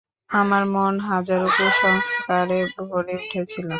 আমার মন হাজারো কুসংস্কারে ভরে উঠেছিল।